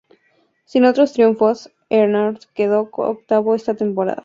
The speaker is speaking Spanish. Sin otros triunfos, Earnhardt quedó octavo esa temporada.